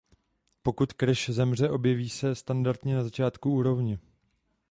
Pokud Crash zemře objeví se standardně na začátku úrovně.